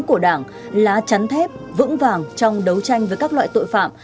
của đảng lá chắn thép vững vàng trong đấu tranh với các loại tội phạm